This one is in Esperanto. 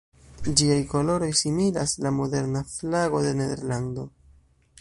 Ĝiaj koloroj similas la moderna flago de Nederlando.